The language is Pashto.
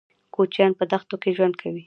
کوچيان په دښتو کې ژوند کوي.